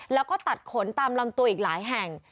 แล้วก็ตัดขนตามลำตัวอีกหลายแห่ง